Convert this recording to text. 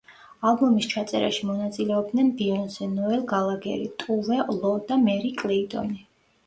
ალბომის ჩაწერაში მონაწილეობდნენ ბიონსე, ნოელ გალაგერი, ტუვე ლო და მერი კლეიტონი.